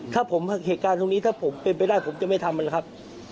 ถ้าผมเหตุการณ์ตรงนี้ถ้าผมเป็นไปได้ผมจะไม่ทำมันนะครับ